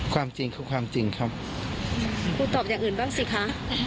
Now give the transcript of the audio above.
ความจริงคือความจริงครับกูตอบอย่างอื่นบ้างสิคะ